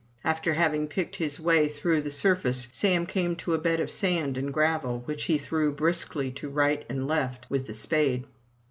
After having picked his way through the sur face, Sam came to a bed of sand and gravel, which he threw briskly to right and left with the spade.